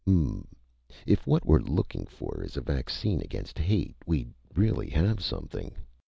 "Hm m m ... if what we're looking for is a vaccine against hate we'd really have something.